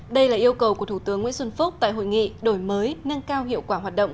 đây là yêu cầu của thủ tướng nguyễn xuân phúc tại hội nghị đổi mới nâng cao hiệu quả hoạt động